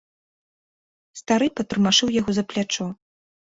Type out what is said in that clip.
Стары патармашыў яго за плячо.